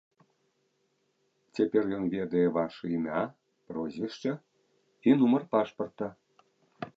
Цяпер ён ведае вашы імя, прозвішча і нумар пашпарта.